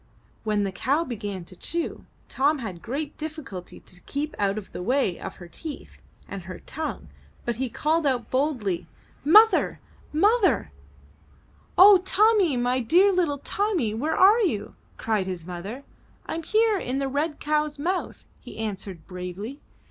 When the cow began to chew, Tom had great difficulty to keep out of the way of her teeth and her tongue, but he called out boldly, ''Mother! Mother!" 264 UP ONE PAIR OF STAIRS '*0h, Tommy, my dear little Tommy, where are you?'* cried his mother. 'Tm here in the red cow's mouth!" he answered bravely.